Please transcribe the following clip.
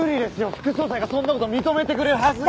副総裁がそんな事を認めてくれるはずが。